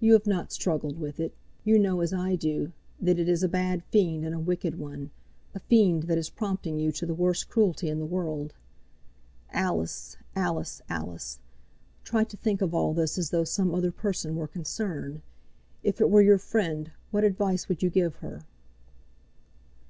"You have not struggled with it. You know, as I do, that it is a bad fiend and a wicked one, a fiend that is prompting you to the worst cruelty in the world. Alice! Alice! Alice! Try to think of all this as though some other person were concerned. If it were your friend, what advice would you give her?" [Illustration: "If it were your friend, what advice would you give her?"